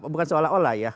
bukan seolah olah ya